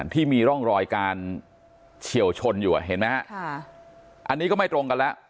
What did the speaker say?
ที่มีร่องรอยการเฉียวชนอยู่เห็นไหมฮะอันนี้ก็ไม่ตรงกันแล้ว